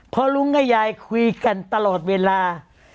เพราะลุงกับยายคุยกันตลอดเวลา